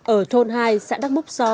ở thôn hai xã đắc búc so